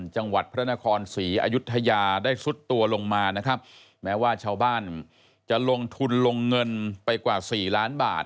จังหวัดพระนครศรีอยุธยาได้ซุดตัวลงมานะครับแม้ว่าชาวบ้านจะลงทุนลงเงินไปกว่าสี่ล้านบาท